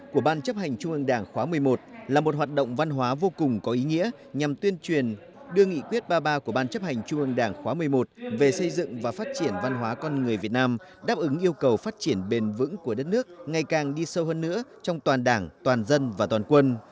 của ban chấp hành trung ương đảng khóa một mươi một là một hoạt động văn hóa vô cùng có ý nghĩa nhằm tuyên truyền đưa nghị quyết ba mươi ba của ban chấp hành trung ương đảng khóa một mươi một về xây dựng và phát triển văn hóa con người việt nam đáp ứng yêu cầu phát triển bền vững của đất nước ngày càng đi sâu hơn nữa trong toàn đảng toàn dân và toàn quân